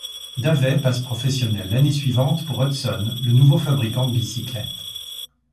Davey passe professionnel l'année suivante pour Hudson le nouveau fabricant de bicyclettes.